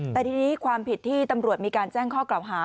แต่ทีนี้ความผิดที่ตำรวจมีการแจ้งข้อกล่าวหา